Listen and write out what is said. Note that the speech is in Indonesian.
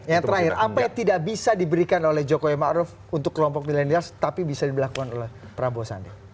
yang terakhir apa yang tidak bisa diberikan oleh jokowi ma'ruf untuk kelompok millennials tapi bisa dilakukan oleh prabowo sandiaga